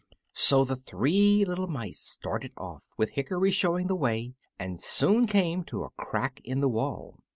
So the three little mice started off, with Hickory showing the way, and soon came to a crack in the wall.